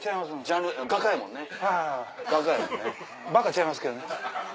あぁ「バカ」ちゃいますけどね。